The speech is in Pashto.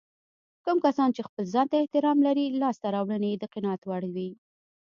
کوم کسان چې خپل ځانته احترام لري لاسته راوړنې يې د قناعت وړ وي.